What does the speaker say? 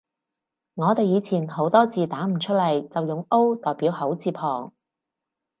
我哋以前好多字打唔出來，就用 O 代表口字旁